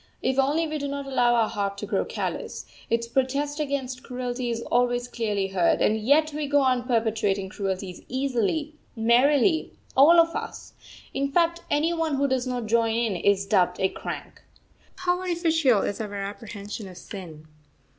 If only we do not allow our heart to grow callous, its protest against cruelty is always clearly heard; and yet we go on perpetrating cruelties easily, merrily, all of us in fact, any one who does not join in is dubbed a crank. How artificial is our apprehension of sin!